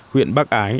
huyện bắc ái